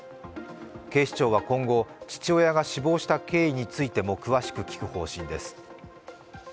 警視庁は今後、父親が死亡した経緯についても詳しく聞く方針です。